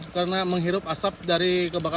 karena menghirup azab dari kebakaran